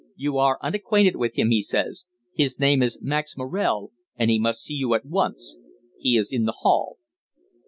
You are unacquainted with him, he says. His name is Max Morel, and he must see you at once. He is in the hall."